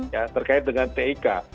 ya terkait dengan tik